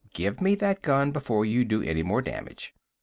Give me that gun before you do any more damage.